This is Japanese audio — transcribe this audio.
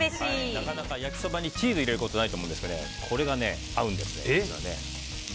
なかなか焼きそばにチーズ入れることないと思うんですけどこれが合うんですね。